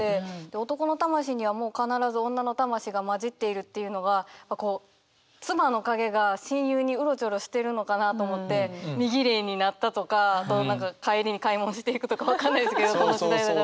「男の魂にはもうかならず女の魂が交じっている」っていうのがこう妻の影が親友にうろちょろしてるのかなと思って身ぎれいになったとか帰りに買い物していくとか分かんないですけどこの時代は。